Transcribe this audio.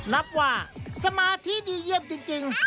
รับว่าสมาธิดีเยี่ยมจริง